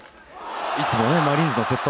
いつもマリーンズのセット